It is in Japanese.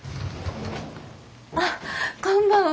あっこんばんは。